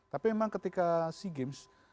tapi memang ketika sea games